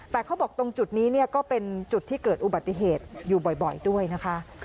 แต่เขาบอกตรงจุดนี้ก็เป็นจุดที่เกิดอุบัติเหตุอยู่บ่อยด้วยนะคะ